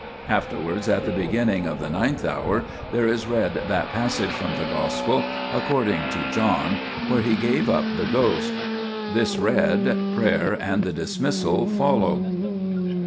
1 Afterwards, at the beginning of the ninth hour, there is read that passage from the Gospel according to John where He gave up the ghost. 2 This read, prayer and the dismissal follow.